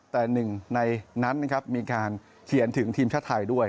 แต่หนึ่งในนั้นนะครับมีการเขียนถึงทีมชาติไทยด้วย